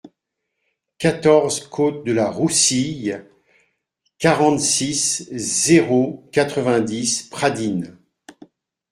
quatorze côte de la Roussille, quarante-six, zéro quatre-vingt-dix, Pradines